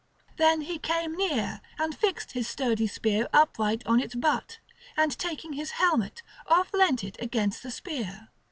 Then he came near, and fixed his sturdy spear upright on its butt, and taking his helmet, off leant it against the spear.